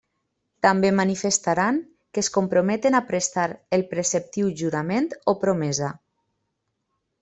També manifestaran que es comprometen a prestar el preceptiu jurament o promesa.